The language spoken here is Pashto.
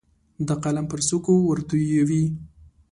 د قلم پر څوکو ورتویوي